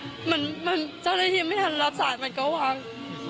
เจ้าหน้าที่ยังไม่ทันรับสายมันก็วาง